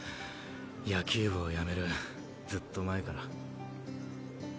野球部を辞めるずっと前から。